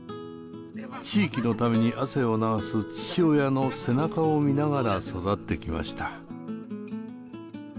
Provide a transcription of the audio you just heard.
地域のために汗を流す父親の背中を見ながら育ってきました。